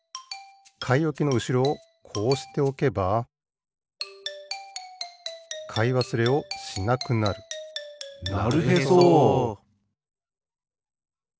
かいおきのうしろをこうしておけばかいわすれをしなくなるなるへそ！